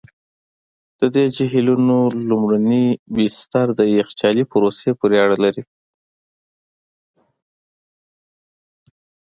د دې جهیلونو لومړني بستر د یخچالي پروسې پورې اړه لري.